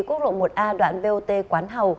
quốc lộ một a đoạn vot quán hầu